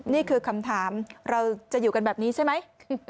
นี่คือคำถามเราจะอยู่กันแบบนี้ใช่ไหม